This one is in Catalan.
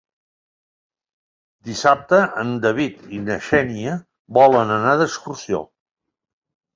Dissabte en David i na Xènia volen anar d'excursió.